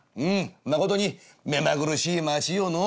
まことに目まぐるしい町よのう。